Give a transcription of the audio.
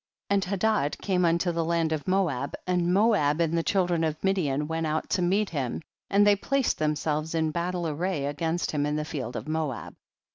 8. And Hadad came unto the land of Moab, and Moab and the children of Midian went out to meet him, and they placed themselves in battle ar ray against him in the field of Moab.